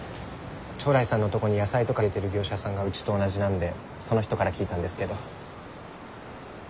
朝來さんのとこに野菜とか入れてる業者さんがうちと同じなんでその人から聞いたんですけど。